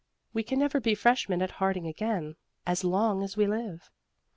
We can never be freshmen at Harding again as long as we live."